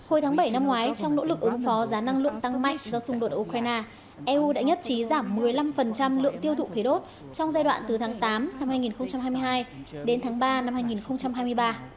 hồi tháng bảy năm ngoái trong nỗ lực ứng phó giá năng lượng tăng mạnh do xung đột ở ukraine eu đã nhất trí giảm một mươi năm lượng tiêu thụ khí đốt trong giai đoạn từ tháng tám năm hai nghìn hai mươi hai đến tháng ba năm hai nghìn hai mươi ba